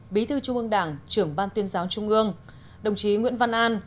bí thư trung ương đảng trưởng ban tuyên giáo trung ương đồng chí nguyễn văn an